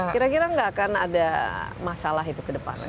kira kira nggak akan ada masalah itu ke depan